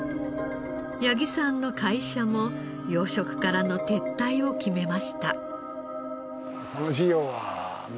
八木さんの会社も養殖からの撤退を決めました。